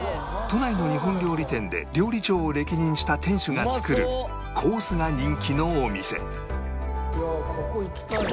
都内の日本料理店で料理長を歴任した店主が作るコースが人気のお店